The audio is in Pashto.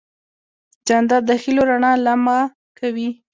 جانداد د هېلو رڼا لمع کوي.